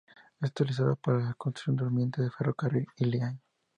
Es utilizada para la construcción, durmientes de ferrocarril, y leña.